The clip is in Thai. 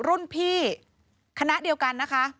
รุ่นพี่คณะเดียวกันนะคะ